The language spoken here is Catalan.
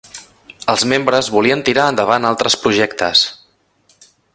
Els membres volien tirar endavant altres projectes.